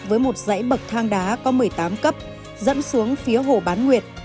với một dãy bậc thang đá có một mươi tám cấp dẫn xuống phía hồ bán nguyệt